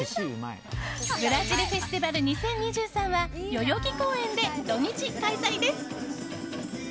ブラジルフェスティバル２０２３は代々木公園で土日開催です。